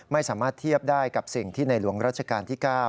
ไม่สามารถเทียบได้กับสิ่งที่ในหลวงรัชกาลที่๙